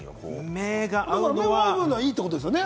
目が合うのはいいってことですよね。